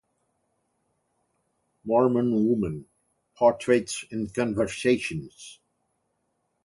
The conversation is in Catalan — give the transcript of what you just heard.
"Mormon Women: Portraits and Conversations".